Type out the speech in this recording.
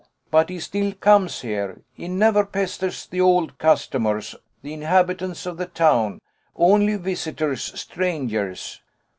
But he still comes here. He never pesters the old customers, the inhabitants of the town only visitors, strangers."